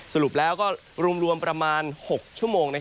สรุปแล้วก็รวมประมาณ๖ชั่วโมง